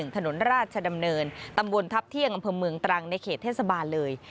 ถนนราชดำเนินตำบลทัพเที่ยงอำเภอเมืองตรังในเขตเทศบาลเลย